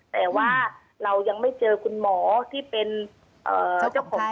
แต่ว่าเรายังไม่เจอคุณหมอที่เป็นเจ้าของ